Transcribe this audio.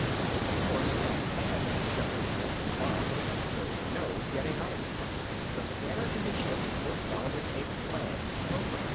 Of course I had to show him the rest of the bombs, there was no getting out of it. The scanners in the ship were following a planned program.